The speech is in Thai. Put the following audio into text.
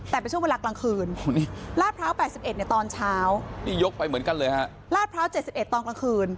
แต่เป็นช่วงเวลากลางคืนลาดพร้าว๘๑ในตอนเช้านี่ยกไปเหมือนกันเลยฮะลาดพร้าว๗๑ตอนกลางคืน